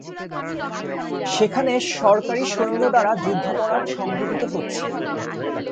সেখানে সরকারী সৈন্য দ্বারা যুদ্ধাপরাধ সংগঠিত হচ্ছে।